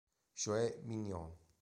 Joe Binion